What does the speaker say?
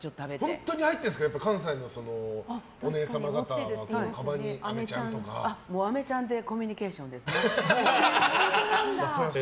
本当に入ってるんですか関西のお姉さま方のかばんにあめちゃんでコミュニケーションです。